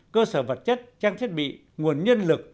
cơ sở vật chất trang thiết bị nguồn nhân lực